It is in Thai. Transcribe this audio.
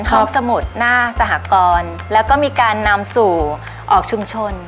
ห้องสมุดหน้าสหกรแล้วก็มีการนำสู่ออกชุมชน